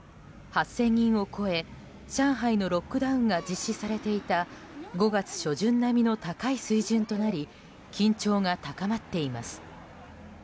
８０００人を超え、上海のロックダウンが実施されていた５月初旬並みの高い水準となり緊張が高まっています。